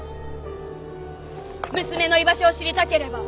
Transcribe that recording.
娘の居場所を知りたければ。